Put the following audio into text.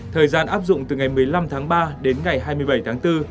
thời gian áp dụng từ ngày một mươi năm tháng ba đến ngày hai mươi bảy tháng bốn